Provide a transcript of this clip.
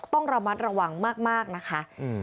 ต้องระมัดระวังมากนะคะ